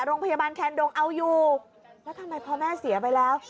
โรงพยาบาลแคนดงเอาอยู่แล้วทำไมพอแม่เสียไปแล้ว